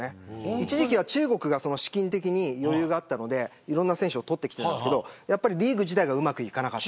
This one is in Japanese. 一時期は中国が資金的に余裕があったのでいろんな選手を取ってきてたんですけどリーグ自体がうまくいかなかった。